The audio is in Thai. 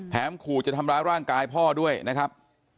ขู่จะทำร้ายร่างกายพ่อด้วยนะครับ